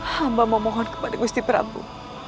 hamba mau mohon kepada gusti prabu